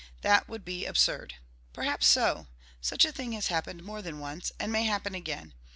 That would be absurd!" Perhaps so: such a thing has happened more than once, and may happen again.